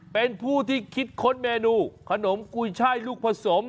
เป็นผู้ที่คิดค้นเมนูขนมกุยช่ายลูกผสม